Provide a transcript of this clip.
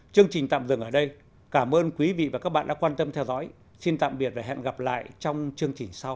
chương trình tạm dừng ở đây cảm ơn quý vị và các bạn đã quan tâm theo dõi xin tạm biệt và hẹn gặp lại trong chương trình sau